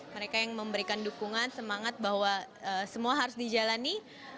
mereka yang memberikan dukungan semangat bahwa semua harus dijalani